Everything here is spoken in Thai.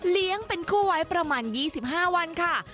เป็นคู่ไว้ประมาณ๒๕วันค่ะ